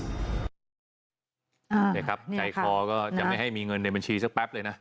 นี่ครับใจคอก็จะไม่ให้มีเงินในบัญชีสักแป๊บเลยนะ